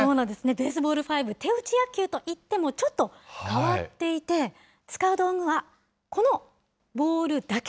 ベースボール５、手打ち野球といってもちょっと変わっていて、使う道具はこのボールだけ。